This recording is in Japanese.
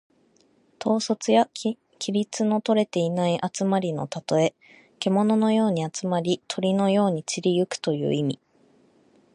統率や規律のとれていない集まりのたとえ。けもののように集まり、鳥のように散り行くという意味。